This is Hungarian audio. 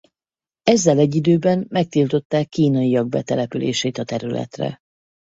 Ezzel egy időben megtiltották kínaiak betelepülését a területre.